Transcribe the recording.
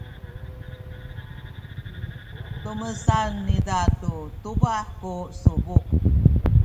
tumesan niza tu tubah ku subuk.